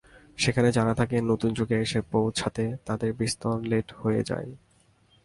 সেখানে যারা থাকে নতুন যুগে এসে পৌঁছোতে তাদের বিস্তর লেট হয়ে যায়।